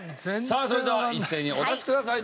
それでは一斉にお出しください。